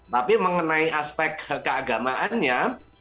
tapi mengenai aspek keagamaannya